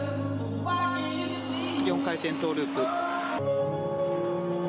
４回転トーループ。